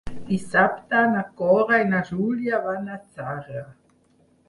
Dissabte na Cora i na Júlia van a Zarra.